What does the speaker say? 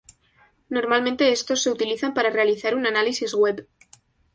Normalmente, estos se utilizan para realizar un análisis web.